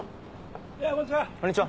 こんにちは。